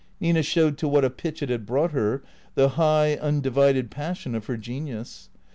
Nina showed to what a pitch it had brought her, the high, un divided passion of her genius.